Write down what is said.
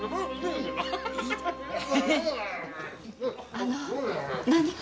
あの何か？